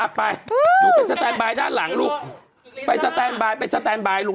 ไปหนูไปสแตนบายด้านหลังลูกไปสแตนบายไปสแตนบายลูก